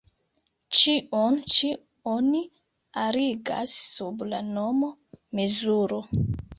Ĉion ĉi oni arigas sub la nomo "mezuro".